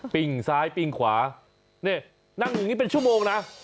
ปิ้งซ้ายปิ้งขวานี่นั่งอย่างนี้เป็นชั่วโมงนะ